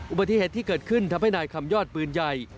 อุบัติเหตุที่เกิดขึ้นทำให้นายคำยอดปืนใหญ่